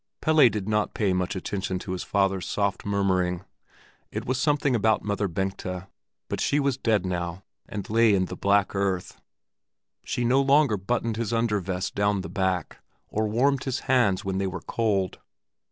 Pelle did not pay much attention to his father's soft murmuring. It was something about Mother Bengta, but she was dead now and lay in the black earth; she no longer buttoned his under vest down the back, or warmed his hands when they were cold.